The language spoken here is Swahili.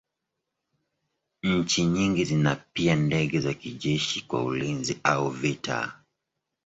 Nchi nyingi zina pia ndege za kijeshi kwa ulinzi au vita.